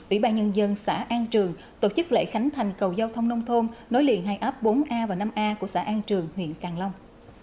ủy ban nhân dân xã an trường tổ chức lễ khánh thành cầu giao thông nông thôn nối liền hai ấp bốn a và năm a của xã an trường huyện càng long